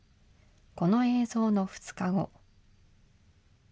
この映像の２日後。